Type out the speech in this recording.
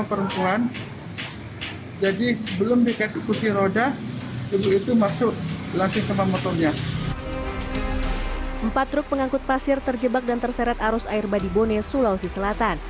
empat truk pengangkut pasir terjebak dan terseret arus air badi bone sulawesi selatan